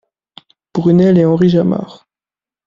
Brunel et Henri Jamard.